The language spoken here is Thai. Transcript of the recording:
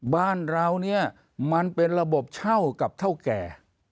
บ้านเราเนี่ยมันเป็นระบบเช่ากับเท่าแก่